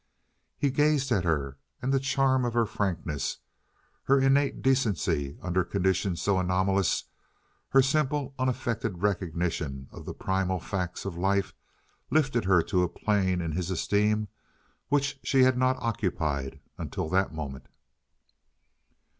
He gazed at her, and the charm of her frankness, her innate decency under conditions so anomalous, her simple unaffected recognition of the primal facts of life lifted her to a plane in his esteem which she had not occupied until that moment.